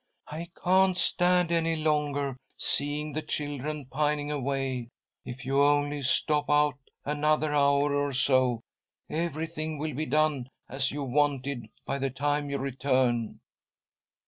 I can't stand any longer seeing the children pining away. If you only stop out another hour or so, everything will be done as you wanted by the time you return."